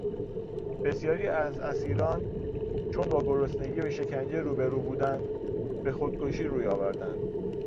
بسیاری از اسیران چون با گرسنگی و شکنجه روبرو بودند به خودکشی روی آوردند.